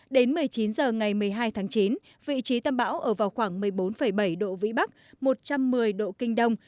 đến một mươi chín h ngày một mươi hai tháng chín vị trí tâm bão ở vào khoảng một mươi bốn bảy độ vĩ bắc một trăm một mươi độ kinh đông